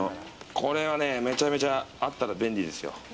これはめちゃめちゃあったら便利ですよ。